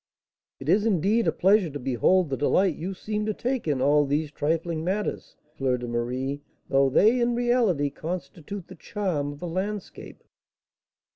"It, is, indeed, a pleasure to behold the delight you seem to take in all these trifling matters, Fleur de Marie; though they, in reality, constitute the charm of a landscape."